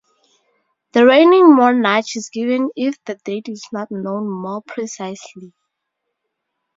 The reigning monarch is given if the date is not known more precisely.